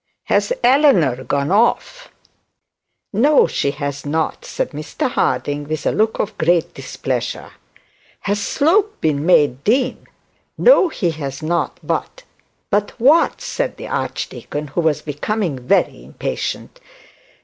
Has Eleanor gone off?' 'No, she has not,' said Mr Harding, with a look of great disclosure. 'Has Slope been made dean?' 'No, he has not; but ' 'But what?' said the archdeacon, who was becoming very impatient.